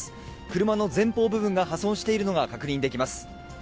車の前方部分が破損しているのが確認できます。